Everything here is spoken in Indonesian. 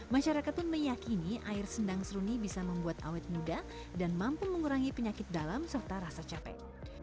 masyarakat pun meyakini air sendang seruni bisa membuat awet muda dan mampu mengurangi penyakit dalam serta rasa capek